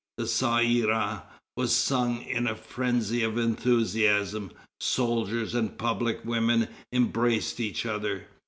The Ça ira was sung in a frenzy of enthusiasm. Soldiers and public women embraced each other.